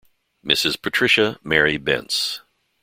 Mrs. Patricia Mary Bence.